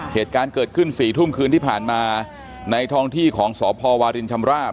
เหตุการณ์เกิดขึ้นสี่ทุ่มคืนที่ผ่านมาในท้องที่ของสพวารินชำราบ